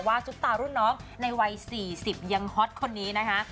ว่าจุดตารุ่นน้องในวัย๔๐เท่ายังฮอตคนนี้นะคะ